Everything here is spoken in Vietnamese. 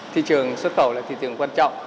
thị trường xuất khẩu là thị trường quan trọng